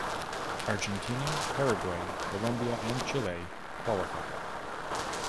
Argentina, Paraguay, Colombia and Chile qualified.